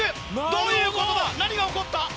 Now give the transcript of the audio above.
どういうことだ何が起こった？